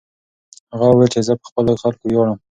هغه وویل چې زه په خپلو خلکو ویاړم.